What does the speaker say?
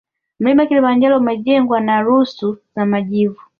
Mlima kilimanjaro umejengwa na rusu za majivu